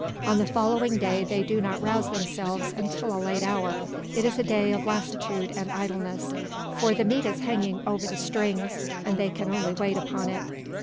On the following day they do not rouse themselves until a late hour. It is a day of lassitude and idleness; for the meat is hanging over the strings, and they can only wait upon it.